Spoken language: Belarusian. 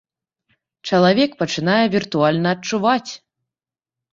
Чалавек пачынае віртуальна адчуваць.